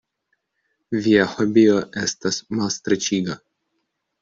Via hobio estas malstreĉiga.